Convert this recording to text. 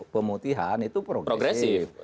pemutihan itu progresif